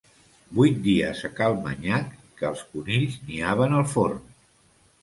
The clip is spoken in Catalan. Vuit dies a cal Manyac, que els conills niaven al forn.